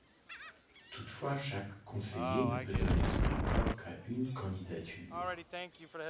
Toutefois chaque conseiller ne peut donner son accord qu'à une candidature.